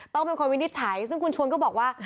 ต้องเป็นคนวินิจฉัยซึ่งคุณชวนก็บอกว่า